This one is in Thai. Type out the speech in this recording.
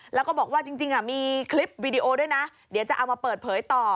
แล้วก็บอกว่าจริงมีคลิปวีดีโอด้วยนะเดี๋ยวจะเอามาเปิดเผยต่อ